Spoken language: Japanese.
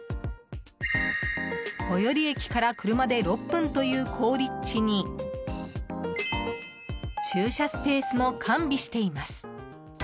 最寄り駅から車で６分という好立地に駐車スペースも完備しています。